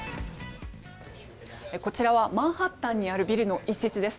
こちらはマンハッタンにあるビルの一室です。